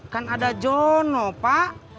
kan ada jono pak